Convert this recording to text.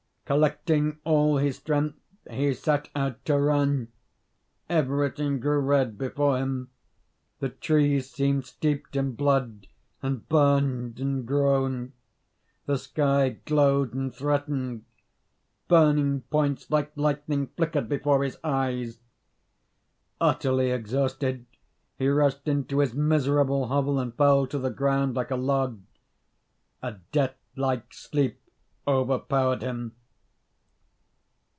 Collecting all his strength, he set out to run. Everything grew red before him. The trees seemed steeped in blood, and burned and groaned. The sky glowed and threatened. Burning points, like lightning, flickered before his eyes. Utterly exhausted, he rushed into his miserable hovel and fell to the ground like a log. A death like sleep overpowered him.